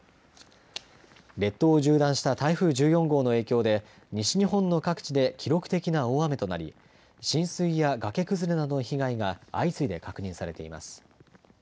列島を縦断した台風１４号の影響で、西日本の各地で記録的な大雨となり、浸水や崖崩れなどの被害が相次いで確認されています。